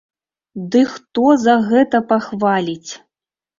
Ды хто за гэта пахваліць?!